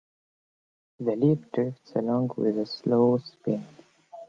The leaf drifts along with a slow spin.